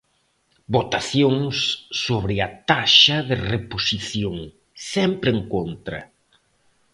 Votacións sobre a taxa de reposición, sempre en contra.